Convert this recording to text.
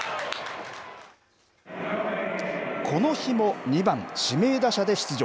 この日も２番指名打者で出場。